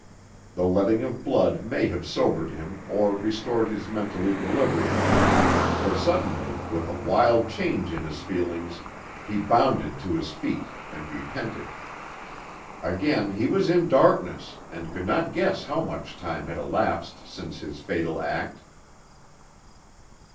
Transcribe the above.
The letting of blood may have sobered him or restored his mental equilibrium; for suddenly, with a wild change in his feelings, he bounded to his feet and repented. Again he was in darkness, and could not guess how much time had elapsed since his fatal act.